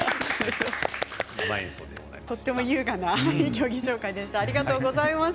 とても優雅な競技紹介でした。